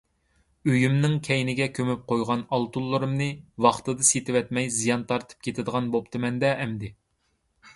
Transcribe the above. ئۆيۈمنىڭ كەينىگە كۆمۈپ قويغان ئالتۇنلىرىمنى ۋاقتىدا سېتىۋەتمەي زىيان تارتىپ كېتىدىغان بوپتىمەن-دە ئەمدى!